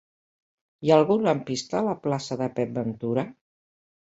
Hi ha algun lampista a la plaça de Pep Ventura?